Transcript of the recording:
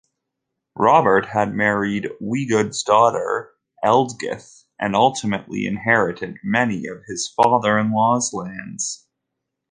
Robert had married Wigod's daughter Ealdgyth, and ultimately inherited many of his father-in-law's lands.